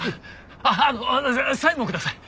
あのサインもください！